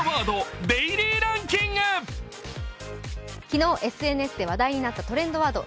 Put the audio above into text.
昨日、ＳＮＳで話題になったトレンドワード。